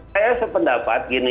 saya sependapat gini